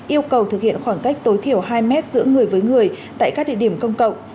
yêu cầu thực hiện khoảng cách tối thiểu hai mét giữa người với người tại các địa điểm công cộng